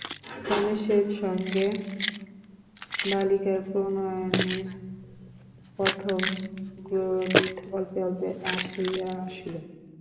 রমেশের সঙ্গে বালিকার প্রণয়ের প্রথম গ্রনিথ অল্পে অল্পে আঁট হইয়া আসিল।